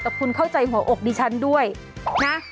แต่คุณเข้าใจหัวอกดิฉันด้วยนะ